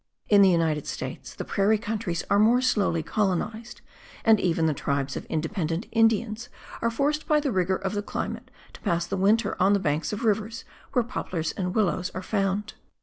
In the United States the prairie countries are more slowly colonized; and even the tribes of independent Indians are forced by the rigour of the climate to pass the winter on the banks of rivers, where poplars and willows are found.